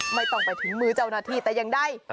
ไม่ต้องไปถึงมือเจ้าหน้าที่แต่อย่างใด